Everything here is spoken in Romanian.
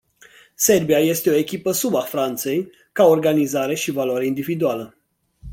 Serbia este o echipă sub a Franței, ca organizare și valoare individuală.